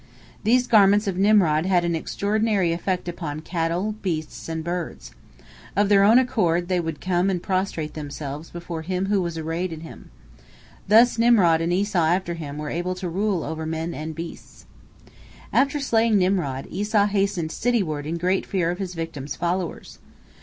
These garments of Nimrod had an extraordinary effect upon cattle, beasts, and birds. Of their own accord they would come and prostrate themselves before him who was arrayed in them. Thus Nimrod and Esau after him were able to rule over men and beasts. After slaying Nimrod, Esau hastened cityward in great fear of his victim's followers.